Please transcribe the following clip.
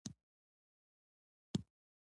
قانوني نثر د نثر یو ډول دﺉ.